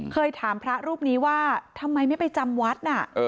เคยถามพระรูปนี้ว่าทำไมไม่ไปจำวัดน่ะ